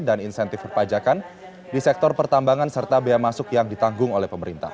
dan insentif perpajakan di sektor pertambangan serta bea masuk yang ditanggung oleh pemerintah